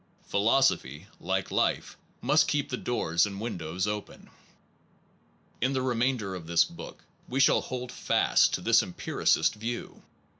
Phi losophy, like life, must keep the doors and windows open. In the remainder of this book we shall hold fast to this empiricist view.